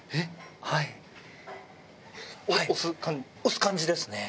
押す感じですね。